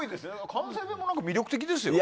関西弁も魅力的ですよ。